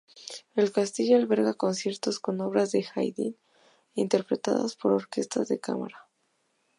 El castillo alberga conciertos con obras de Haydn, interpretados por orquestas de cámara.